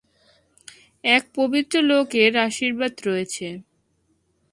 এক পবিত্র লোকের আশির্বাদ রয়েছে।